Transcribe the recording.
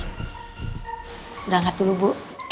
udah ngat dulu bu